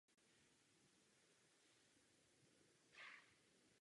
Stejně se správně ptáte na kvalitu zaměstnanců.